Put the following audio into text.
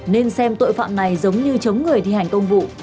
nên xem tội phạm này giống như chống người thi hành công vụ